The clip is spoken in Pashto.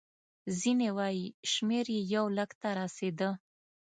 ځینې وایي شمېر یې یو لک ته رسېده.